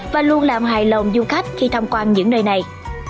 và luôn làm hài lòng du khách khi tham quan những nơi này